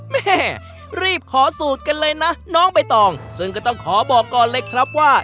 แม่รีบขอสูตรกันเลยนะน้องใบตองซึ่งก็ต้องขอบอกก่อนเลยครับว่า